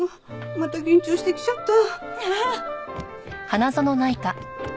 また緊張してきちゃった。